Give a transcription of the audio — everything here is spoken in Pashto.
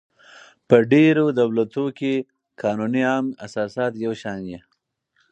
په ډېرو دولتو کښي قانوني عام اساسات یو شان يي.